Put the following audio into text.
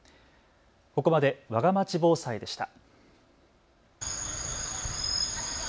ここまでわがまち防災でした。